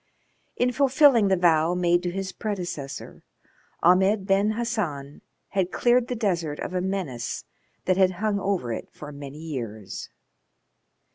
In fulfilling the vow made to his predecessor Ahmed Ben Hassan had cleared the desert of a menace that had hung over it for many years.